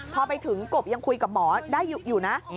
พอไปถึงกบยังคุยกับหมอได้อยู่นะ